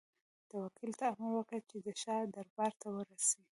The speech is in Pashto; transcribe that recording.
ده وکیل ته امر وکړ چې د شاه دربار ته ورسي.